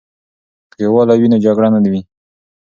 که یووالی وي نو جګړه نه وي.